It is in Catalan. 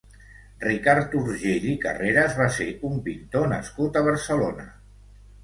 Ricard Urgell i Carreras va ser un pintor nascut a Barcelona.